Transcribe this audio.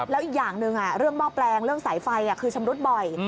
แล้วอีกอย่างหนึ่งเรื่องหม้อแปลงเรื่องสายไฟคือชำรุดบ่อย